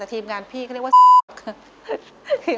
แต่ทีมงานพี่ก็เรียกว่าศรี